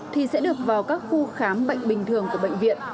thì sẽ được vào các khu khám bệnh bình thường của bệnh viện